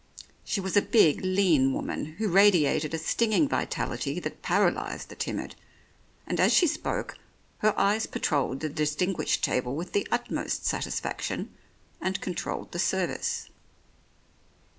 She was a big lean woman who radiated a stinging vitality that paralysed the timid, and as she spoke, her eyes patrolled the distinguished table with the utmost satis faction and controlled the service.